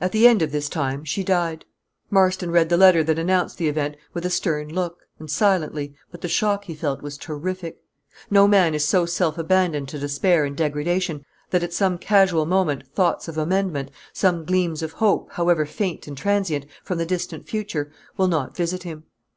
At the end of this time she died. Marston read the letter that announced the event with a stern look, and silently, but the shock he felt was terrific. No man is so self abandoned to despair and degradation, that at some casual moment thoughts of amendment some gleams of hope, however faint and transient, from the distant future will not visit him.